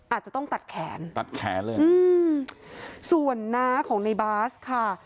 อาจจะต้องตัดแขนตัดแขนเลยอืมส่วนน้าของในบาสค่ะ